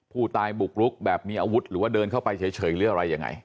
ผู้ตายบุกรุกแบบมีอาวุธหรือว่าเดินเข้าไปเฉยหรืออะไรยังไง